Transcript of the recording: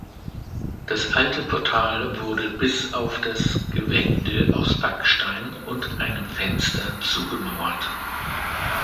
Das alte Portal wurde bis auf das Gewände aus Backstein und einem Fenster zugemauert.